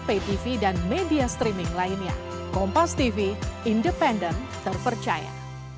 pay tv dan media streaming lainnya kompas tv independen terpercaya